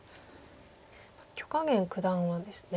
許家元九段はですね